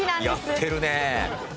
やってるねえ。